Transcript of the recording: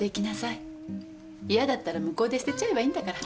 いやだったら向こうで捨てちゃえばいいんだから。